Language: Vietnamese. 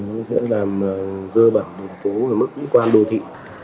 nó sẽ làm dơ bẩn một phố mức quý quan đô thị